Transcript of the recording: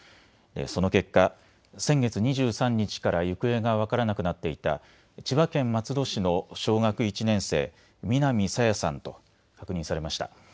その結果、先月２３日から行方が分からなくなっていた千葉県松戸市の小学１年生、南朝芽さんと確認されました。